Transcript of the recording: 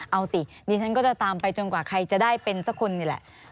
เอาสิดิฉันก็จะตามไปจนกว่าใครจะได้เป็นสักคนนี่แหละ